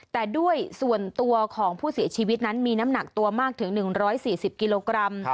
แต่ด้วยส่วนตัวของผู้เสียชีวิตนั้นมีน้ำหนักตัวมากถึง๑๔๐กิโลกรัม